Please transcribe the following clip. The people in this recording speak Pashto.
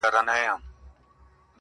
مثبت چلند اړیکې پیاوړې کوي؛